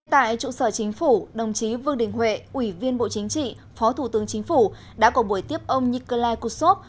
tại trụ sở chính phủ đồng chí vương đình huệ ủy viên bộ chính trị phó thủ tướng chính phủ đã có buổi tiếp ông nikolai kutsov